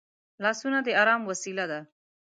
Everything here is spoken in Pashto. لاسونه د ارام وسیله ده